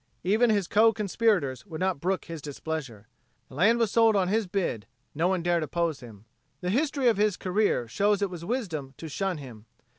Even his co conspirators would not brook his displeasure. The land was sold on his bid, no one dared oppose him. The history of his career shows it was wisdom to shun him.